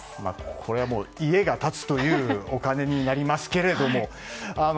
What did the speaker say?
これは家が建つというお金になりますけども。